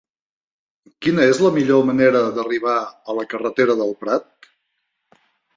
Quina és la millor manera d'arribar a la carretera del Prat?